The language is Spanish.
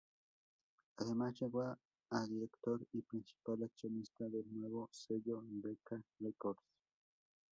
Además llegó a director y principal accionista del nuevo sello Decca Records.